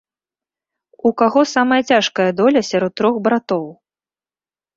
У каго самая цяжкая доля сярод трох братоў?